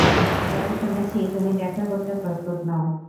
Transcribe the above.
তবে শুনেছি তুমি দেখা করতে প্রস্তুত নও।